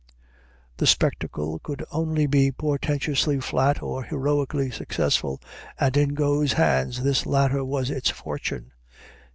The spectacle could only be portentously flat or heroically successful, and in Got's hands this latter was its fortune.